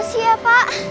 makasih ya pak